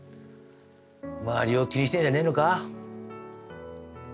周りを気にしてんじゃねえのか？